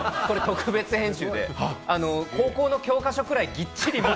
これ特別編集で高校の教科書くらいぎっちり。